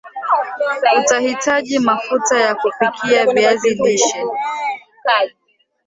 Utahitaji mafuta ya kupikia viazi lishe